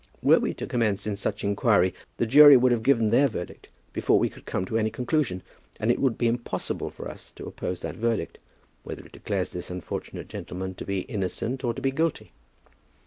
"Were we to commence any such inquiry, the jury would have given their verdict before we could come to any conclusion; and it would be impossible for us to oppose that verdict, whether it declares this unfortunate gentleman to be innocent or to be guilty.